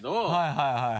はいはい。